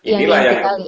inilah yang ketiga